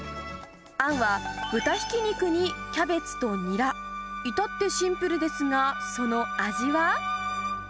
あんは豚ひき肉に、キャベツとニラ、至ってシンプルですが、その味は？